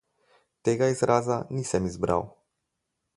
Tega izraza nisem izbral.